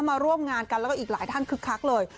มาร่วมงานกันแล้วก็อีกหลายท่านคึกคักเลย